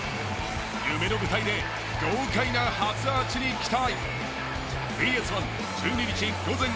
夢の舞台で豪快な初アーチに期待。